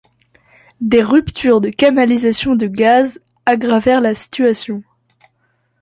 Des ruptures de canalisations de gaz aggravèrent la situation.